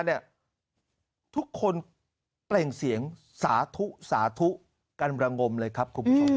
ก็แต่ว่าทุกคนเปล่งเสียงสาธุสาธุกันประมงมเลยครับ